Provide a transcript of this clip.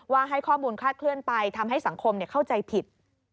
ให้ข้อมูลคลาดเคลื่อนไปทำให้สังคมเข้าใจผิด